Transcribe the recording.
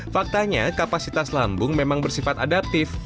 faktanya kapasitas lambung memang bersifat adaptif